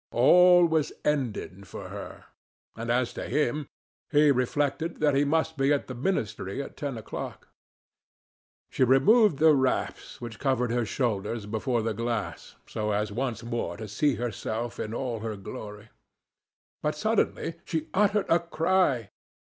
All was ended for her. And as to him, he reflected that he must be at the Ministry at ten o'clock. She removed the wraps, which covered her shoulders, before the glass, so as once more to see herself in all her glory. But suddenly she uttered a cry.